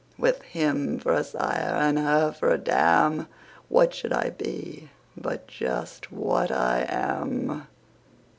With him for a sire and her for a dam, What should I be but just what I am?